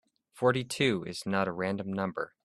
Forty-two is not a random number.